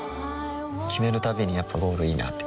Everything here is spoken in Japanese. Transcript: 決めるたびにやっぱゴールいいなってふん